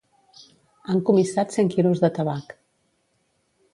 Han comissat cent quilos de tabac.